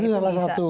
itu salah satu